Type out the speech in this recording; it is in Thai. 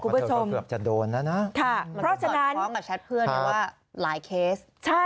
พอบอกว่าเธอก็เกือบจะโดนนะนะ